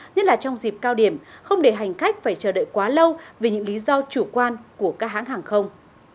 nhất là trong dịp cao điểm không để hành khách phải chờ đợi quá lâu vì những lý do chủ quan của các hãng hàng không